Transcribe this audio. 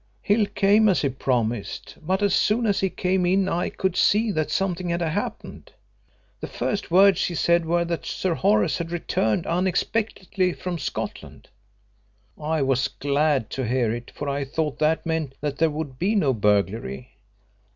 "Hill came, as he promised, but as soon as he came in I could see that something had happened. The first words he said were that Sir Horace had returned unexpectedly from Scotland. I was glad to hear it, for I thought that meant that there would be no burglary.